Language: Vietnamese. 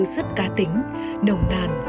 rất ca tính nồng nàn